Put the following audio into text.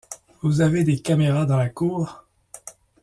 Vous avez des caméras dans la cour ?